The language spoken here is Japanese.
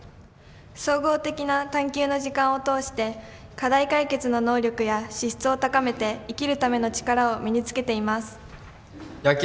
総合的な探求の時間を通して、課題解決の能力や資質を高めて、生きるための力を身につけています。